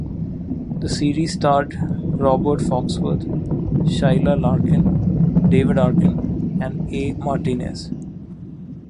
The series starred Robert Foxworth, Sheila Larken, David Arkin, and A Martinez.